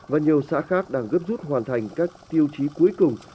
và nhiều xã khác đang gấp rút hoàn thành các tiêu chí cuối cùng